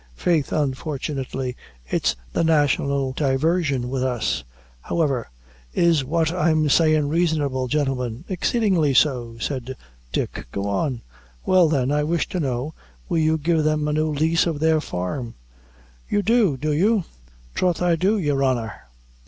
Faith, unfortunately, it's the national divarsion wid us. However, is what I'm sayin' raisonable, gintlemen?" "Exceedingly so," said Dick; "go on." "Well, then, I wish to know, will you give them a new lease of their farm?" "You do! do you?" "Troth I do, your honor."